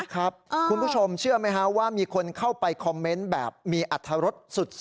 คุณผู้ชมเชื่อไหมฮะว่ามีคนเข้าไปคอมเมนต์แบบมีอัตรรสสุด